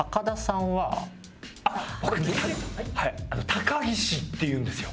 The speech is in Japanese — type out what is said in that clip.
高岸っていうんですよ。